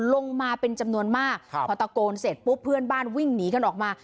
ลงมาเป็นจำนวนมากครับพอตะโกนเสร็จปุ๊บเพื่อนบ้านวิ่งหนีกันออกมา